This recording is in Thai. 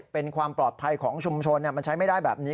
เป็นความปลอดภัยของชุมชนมันใช้ไม่ได้แบบนี้